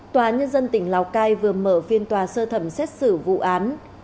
tòa nhân dân tỉnh lào cai vừa mở phiên tòa sơ thẩm xét xử vụ án